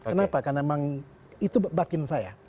kenapa karena memang itu batin saya